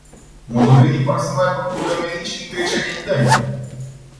Moldovenii par să nu aibă probleme nici în întrecerea internă.